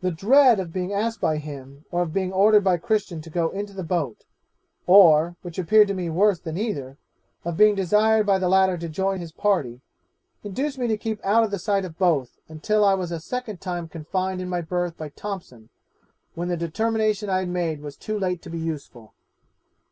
The dread of being asked by him, or of being ordered by Christian to go into the boat, or, which appeared to me worse than either, of being desired by the latter to join his party, induced me to keep out of the sight of both, until I was a second time confined in my berth by Thompson, when the determination I had made was too late to be useful.